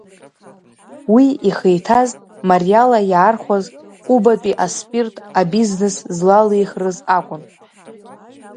Уи ихы иҭаз мариала иаархәаз Кубатәи аспирт абизнес злалихрыз акәын.